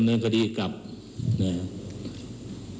เพื่อนสูญพุทธรับสูญี